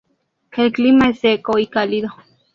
El clima es seco y cálido.